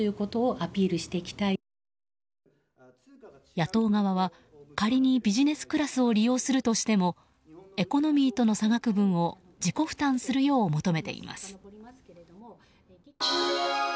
野党側は仮にビジネスクラスを利用するとしてもエコノミーとの差額分を自己負担するよう求めています。